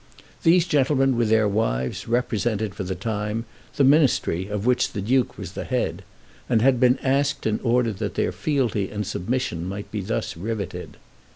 These gentlemen with their wives represented, for the time, the Ministry of which the Duke was the head, and had been asked in order that their fealty and submission might be thus riveted.